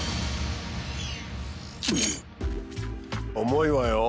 重いわよ。